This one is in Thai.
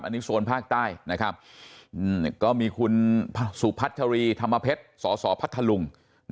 อันนี้โซนภาคใต้นะครับก็มีคุณสุพัชรีธรรมเพชรสสพัทธลุง